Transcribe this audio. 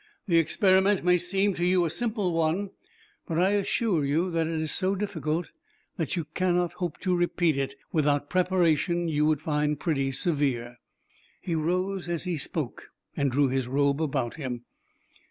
The experiment may seem to you a simple one, but I assure you that it is so difficult that you cannot hope to repeat it without preparation you would find pretty severe." He rose as he spoke, and drew his robe about him.